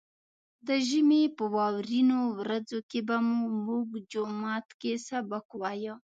د ژمي په واورينو ورځو کې به موږ په جومات کې سبق وايه.